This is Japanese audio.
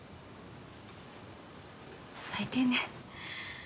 最低ね。